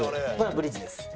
ブリッジです。